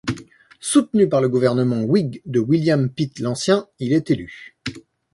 Soutenu par le gouvernement whig de William Pitt l'Ancien, il est élu.